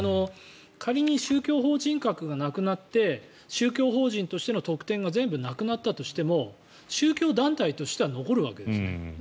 仮に宗教法人格がなくなって宗教法人としての特典が全部なくなったとしても宗教団体としては残るわけですね。